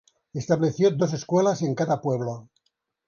Estableció dos escuelas en cada pueblo.